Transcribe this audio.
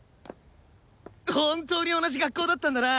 本当に同じ学校だったんだな。